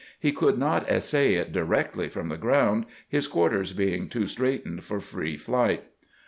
He could not essay it directly from the ground, his quarters being too straitened for free flight.